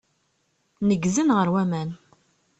Neggzen ɣer waman.